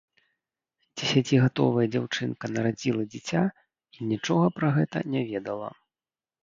Дзесяцігадовая дзяўчынка нарадзіла дзіця і нічога пра гэта не ведала.